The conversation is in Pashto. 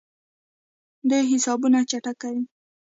دوی حسابونه چک کوي.